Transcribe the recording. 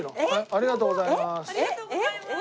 ありがとうございます。